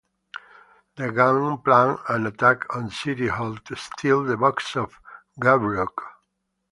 The gang plan an attack on City Hall to steal the Box of Gavrok.